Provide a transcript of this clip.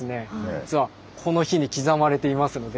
実はこの碑に刻まれていますので。